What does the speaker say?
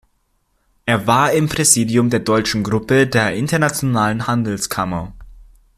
Er war im Präsidium der deutschen Gruppe der Internationalen Handelskammer.